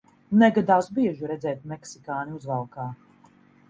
Negadās bieži redzēt meksikāni uzvalkā.